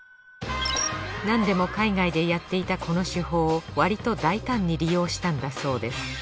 なんでも海外でやっていたこの手法をわりと大胆に利用したんだそうです